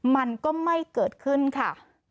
มันก็ไม่เกิดขึ้นค่ะ